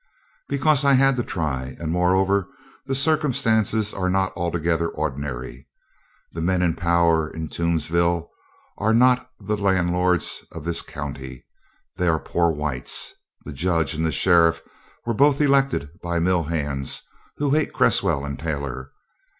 "Because I had to try; and moreover the circumstances are not altogether ordinary: the men in power in Toomsville now are not the landlords of this county; they are poor whites. The Judge and sheriff were both elected by mill hands who hate Cresswell and Taylor.